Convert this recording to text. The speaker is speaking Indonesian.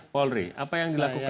polri apa yang dilakukan